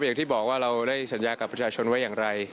อย่างที่บอกว่าเราได้สัญญากับประชาชนไว้อย่างไร